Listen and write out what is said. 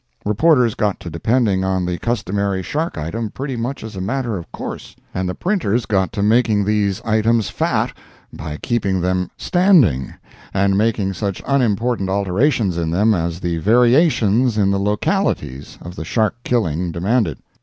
Reporters got to depending on the customary shark item pretty much as a matter of course, and the printers got to making these items "fat" by keeping them "standing" and making such unimportant alterations in them as the variations in the localities of the shark killing demanded.